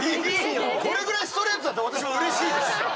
これぐらいストレートだと私もうれしいです。